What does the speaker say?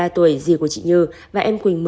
ba mươi ba tuổi dì của chị như và em quỳnh